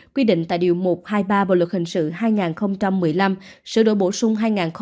quy định tại điều một trăm hai mươi ba bộ luật hình sự hai nghìn một mươi năm sửa đổi bổ sung hai nghìn một mươi bảy